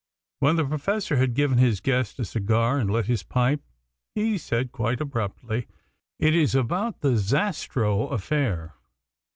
When the Professor had given his guest a cigar and lit his pipe, he said quite abruptly: "It is about the Zastrow affair."